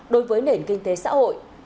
đối với nền kinh tế xã hội